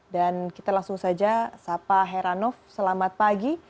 dan kita langsung saja sapa heranov selamat pagi